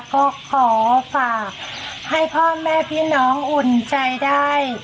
ก็ขอฝากให้พ่อแม่พี่น้องอุ่นใจได้